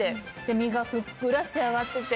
身がふっくら仕上がってて。